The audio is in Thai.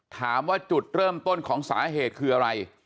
ถามว่าจุดเริ่มต้นของสาเหตุคืออะไร